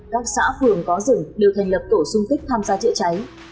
các xã phường có rừng đều thành lập tổ sung kích tham gia chữa cháy